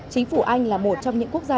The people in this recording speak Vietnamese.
chính phủ anh là một trong những quốc gia